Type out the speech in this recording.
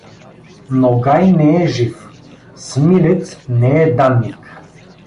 Ногай не е жив — Смилец не е данник.